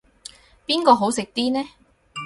邊個好食啲呢